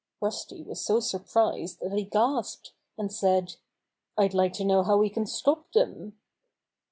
Rusty was so surprised that he gasped, and said : "I'd like to know how we can stop them."